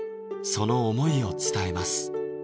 その思いを伝えます